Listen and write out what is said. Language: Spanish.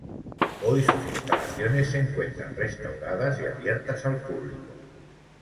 Hoy sus instalaciones se encuentran restauradas y abiertas al público.